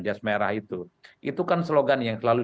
jas merah itu itu kan slogan yang terlalu